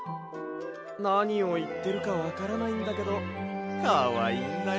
なにをいってるかわからないんだけどかわいいんだよな。